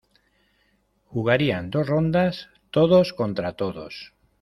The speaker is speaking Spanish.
Jugarían dos rondas todos contra todos.